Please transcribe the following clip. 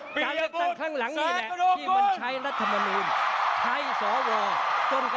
เพื่อนรักของผมพันสิบเก้าวันนี้